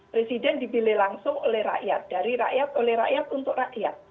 presiden dipilih langsung oleh rakyat dari rakyat oleh rakyat untuk rakyat